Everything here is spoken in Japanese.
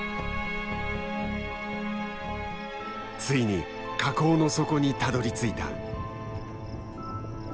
ついに火口の底にたどりついた。